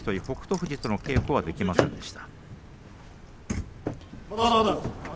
富士との稽古はできませんでした。